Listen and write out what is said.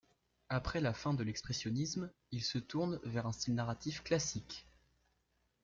Après la fin de l'expressionnisme, il se tourne vers un style narratif classique.